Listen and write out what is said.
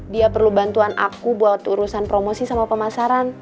dia perlu bantuan aku buat urusan promosi sama pemasaran